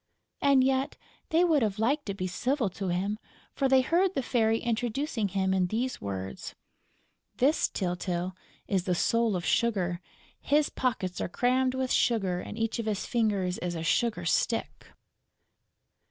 And yet they would have liked to be civil to him, for they heard the Fairy introducing him in these words: "This, Tyltyl, is the soul of Sugar. His pockets are crammed with sugar and each of his fingers is a sugar stick."